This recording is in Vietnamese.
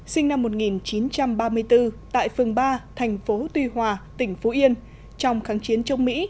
sinh năm một nghìn chín trăm ba mươi bốn tại phường ba thành phố tuy hòa tỉnh phú yên trong kháng chiến chống mỹ